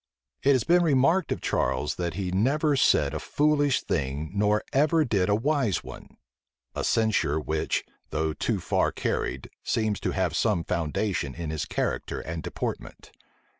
It has been remarked of Charles, that he never said a foolish thing nor ever did a wise one; a censure which, though too far carried, seems to have some foundation in his character and deportment.